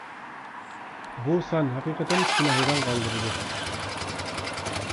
بۇ سان ھەقىقەتەن كىشىنى ھەيران قالدۇرىدۇ.